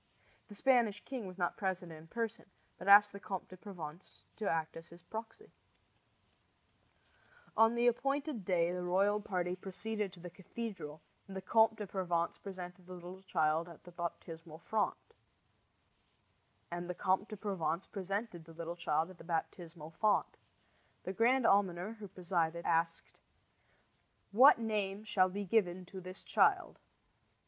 The Spanish king was not present in person, but asked the Comte de Provence to act as his proxy. On the appointed day the royal party proceeded to the cathedral, and the Comte de Provence presented the little child at the baptismal font. The grand almoner, who presided, asked; "What name shall be given to this child?"